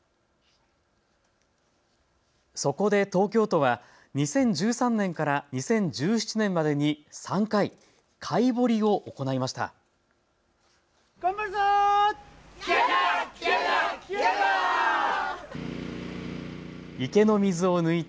そこで東京都は２０１３年から２０１７年までに３回、かい